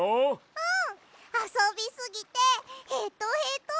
うん！あそびすぎてヘトヘト。